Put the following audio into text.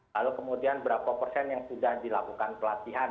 lalu kemudian berapa persen yang sudah dilakukan pelatihan